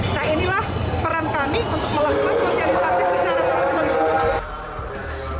nah inilah peran kami untuk melakukan sosialisasi secara terus menerus